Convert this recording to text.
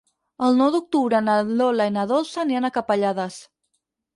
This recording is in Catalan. El nou d'octubre na Lola i na Dolça aniran a Capellades.